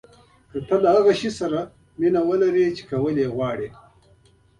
که تۀ له هغه څه سره مینه ولرې چې کول یې غواړې.